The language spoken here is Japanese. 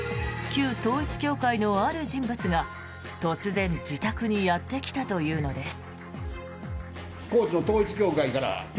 旧統一教会のある人物が突然、自宅にやってきたというのです。